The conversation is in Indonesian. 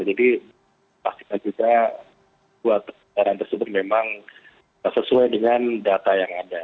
jadi pastikan juga buat perkembangan tersebut memang sesuai dengan data yang ada